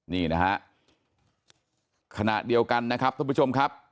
นี่นะฮะขณะเดียวกันนะครับท่านผู้ชมครับ